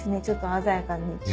ちょっと鮮やかに。